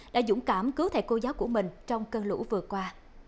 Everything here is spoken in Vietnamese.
đã dũng cảm cứu thầy cô giáo của mình trong cơn lũ vừa qua